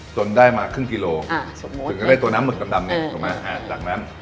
จนได้มาครึ่งกิโลถึงจะได้ตัวน้ำหมึกดำเนี่ยถูกไหมจากนั้น